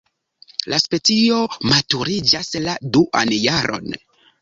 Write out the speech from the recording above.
La specio maturiĝas la duan jaron.